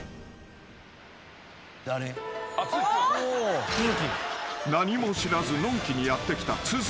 ［何も知らずのんきにやって来た都築］